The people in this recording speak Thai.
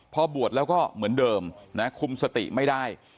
พอบวชแล้วก็เหมือนเดิมนะคุมสติไม่ได้